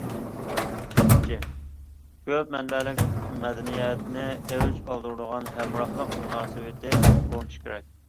ئۈچىنچى، كۆپ مەنبەلىك مەدەنىيەتنى ئەۋج ئالدۇرىدىغان ھەمراھلىق مۇناسىۋىتى ئورنىتىش كېرەك.